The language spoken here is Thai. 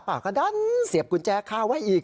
ป่าก็ดันเสียบกุญแจคาไว้อีก